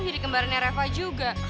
jadi kembarannya reva juga